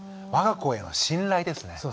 我が子への信頼ですね。